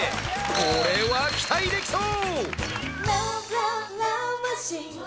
これは期待できそう！